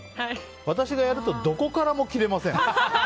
私がやるとどこからも切れません。